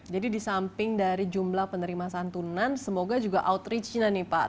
jadi di samping dari jumlah penerima santunan semoga juga outreach nya nih pak